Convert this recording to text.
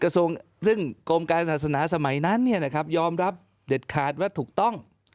ซึ่งกรมการศาสนาสมัยนั้นยอมรับเด็ดขาดว่าถูกต้อง